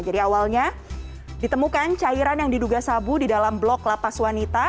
jadi awalnya ditemukan cairan yang diduga sabu di dalam blok lapas wanita